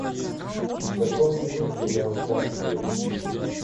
В каком кринже я участвую...